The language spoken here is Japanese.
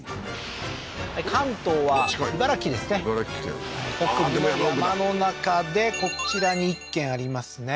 山奥だ山の中でこちらに１軒ありますね